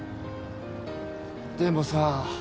でもさ。